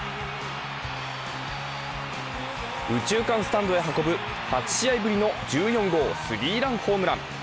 右中間スタンドへ運ぶ８試合ぶりの１４号スリーランホームラン。